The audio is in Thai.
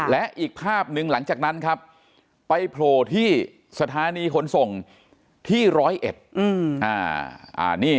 และอีกภาพหนึ่งหลังจากนั้นครับไปโผล่ที่สถานีขนส่งที่ร้อยเอ็ด